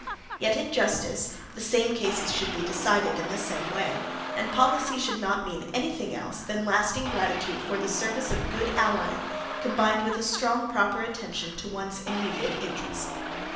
Yet in justice the same cases should be decided in the same way, and policy should not mean anything else than lasting gratitude for the service of good ally combined with a proper attention to one's own immediate interest.